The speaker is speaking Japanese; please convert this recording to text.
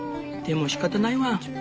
でもしかたないワン。